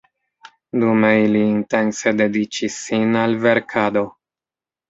Dume ili intense dediĉis sin al verkado.